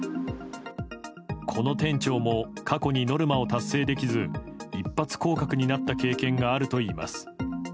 この店長も過去にノルマを達成できず一発降格になった経験があるといいます。